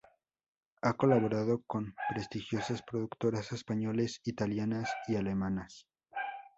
Ha colaborado con prestigiosas productoras españolas, italianas y alemanas.